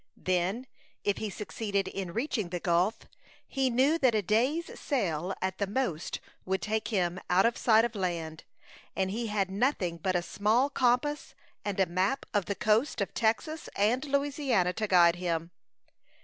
Then, if he succeeded in reaching the Gulf, he knew that a day's sail at the most would take him out of sight of land; and he had nothing but a small compass and a map of the coast of Texas and Louisiana to guide him.